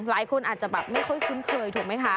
หลายคนอาจจะแบบไม่ค่อยคุ้นเคยถูกไหมคะ